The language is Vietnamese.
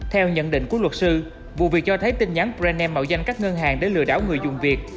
theo nhận định của luật sư vụ việc cho thấy tin nhắn brann mạo danh các ngân hàng để lừa đảo người dùng việt